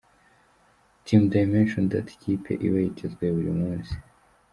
Team Dimension Data ikipe iba yitezwe buri munsi.